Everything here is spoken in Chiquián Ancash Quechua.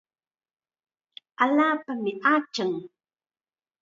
Allaapami achan.